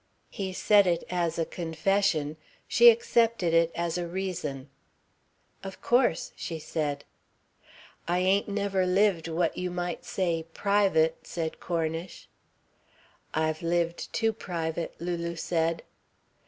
He said it as a confession. She accepted it as a reason. "Of course," she said. "I ain't never lived what you might say private," said Cornish. "I've lived too private," Lulu said.